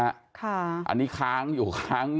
อันนี้ค้างอยู่ค้าง